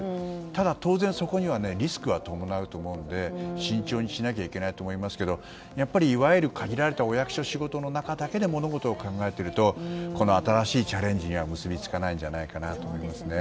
ただ、当然そこにはリスクは伴うと思うので慎重にしなきゃいけないと思いますけどやっぱり、いわゆる限られたお役所仕事の中だけで物事を考えていると新しいチャレンジには結びつかないんじゃないかなと思いますね。